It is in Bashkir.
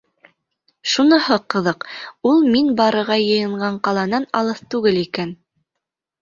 Шуныһы ҡыҙыҡ: ул мин барырға йыйынған ҡаланан алыҫ түгел икән.